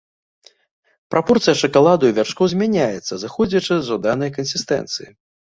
Прапорцыя шакаладу і вяршкоў змяняецца, зыходзячы з жаданай кансістэнцыі.